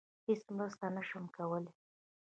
هیڅ مرسته نشم کولی.